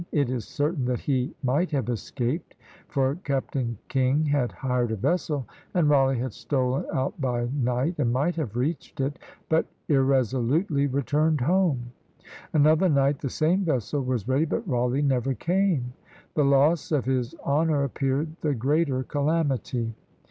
It is certain that he might have escaped; for Captain King had hired a vessel, and Rawleigh had stolen out by night, and might have reached it, but irresolutely returned home; another night, the same vessel was ready, but Rawleigh never came! The loss of his honour appeared the greater calamity.